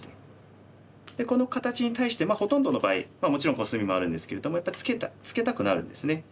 この形に対してほとんどの場合もちろんコスミもあるんですけれどもやっぱりツケたくなるんですね。